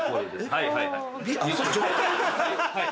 はいはいはい。